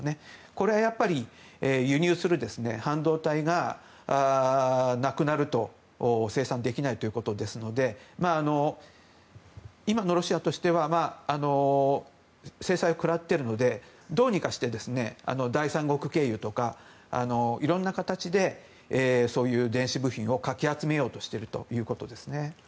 これはやっぱり輸入する半導体がなくなると生産できないということですので今のロシアとしては制裁を食らっているのでどうにかして第三国経由とか色んな形でそういう電子部品をかき集めようとしているということですね。